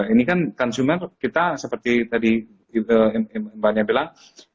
ini kan konsumen kita seperti tadi mbaknya bilang